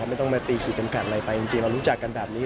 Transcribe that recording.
ไม่ต้องมาตีขีดจำกัดอะไรไปจริงเรารู้จักกันแบบนี้